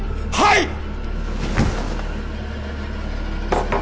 はい！